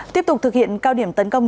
tiếp tục thực hiện cao điểm tấn công